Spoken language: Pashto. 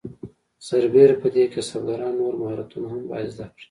سربیره پر دې کسبګران نور مهارتونه هم باید زده کړي.